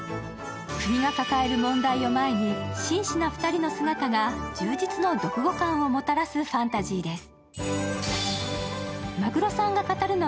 国が抱える問題を前に真摯な２人の姿が充実の読後感をもたらすファンタジーです。